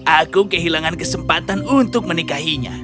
aku kehilangan kesempatan untuk menikahinya